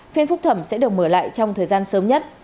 phiên phúc thẩm sẽ được mở lại trong thời gian sớm nhất